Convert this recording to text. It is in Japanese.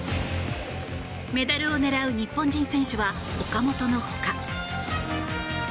メダルを狙う日本人選手は岡本のほか。